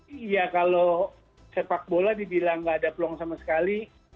iya kalau sepak bola dibilang nggak ada peluang sama sekali